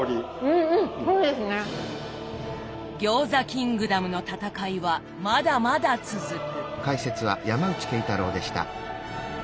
餃子キングダムの戦いはまだまだ続く。